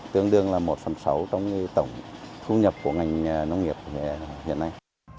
tương đương là một phần sáu trong tổng thu nhập của ngành nông nghiệp hiện nay